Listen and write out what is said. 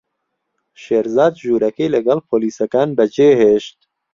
شێرزاد ژوورەکەی لەگەڵ پۆلیسەکان بەجێهێشت.